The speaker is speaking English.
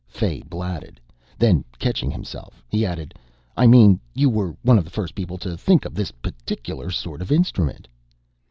Fay blatted. Then, catching himself, he added, "I mean, you were one of the first people to think of this particular sort of instrument."